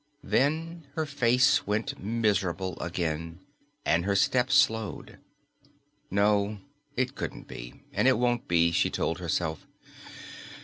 Then her face went miserable again and her steps slowed. No, it couldn't be, and it won't be, she told herself.